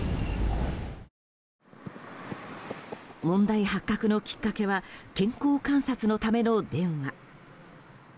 問題発覚のきっかけは健康観察のための電話。